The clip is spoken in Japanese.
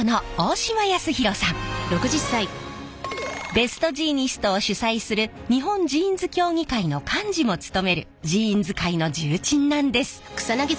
ベストジーニストを主催する日本ジーンズ協議会の幹事も務めるジーンズ界の重鎮なんです！